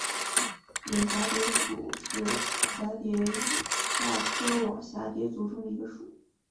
远蛱蝶属是蛱蝶亚科网蛱蝶族中的一个属。